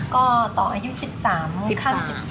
ก็ต่ออายุ๑๓ข้าง๑๔